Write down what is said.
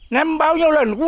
nó ngay trên đó